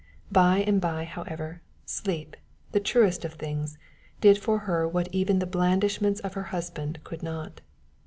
By and by, however, sleep, the truest of things, did for her what even the blandishments of her husband could not.